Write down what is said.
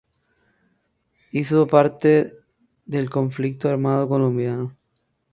Hizo parte del conflicto armado colombiano.